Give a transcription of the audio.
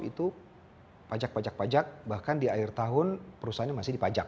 itu pajak pajak pajak bahkan di akhir tahun perusahaannya masih dipajak